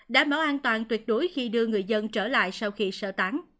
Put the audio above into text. đảm bảo an toàn tuyệt đối khi đưa người dân trở lại sau khi sơ tán